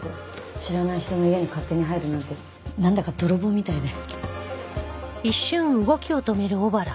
知らない人の家に勝手に入るなんてなんだか泥棒みたいで。